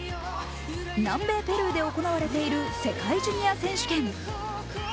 南米ペルーで行われている世界ジュニア選手権。